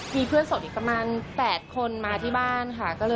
มีเพื่อนสดอีกประมาณ๘คนมาที่บ้านค่ะ